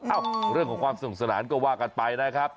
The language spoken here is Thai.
เรื่องของความสนุกสนานก็ว่ากันไปนะครับ